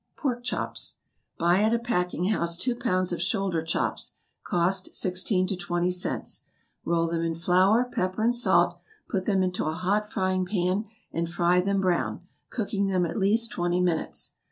=Pork Chops.= Buy at a packing house two pounds of shoulder chops, (cost sixteen to twenty cents,) roll them in flour, pepper, and salt, put them into a hot frying pan, and fry them brown, cooking them at least twenty minutes.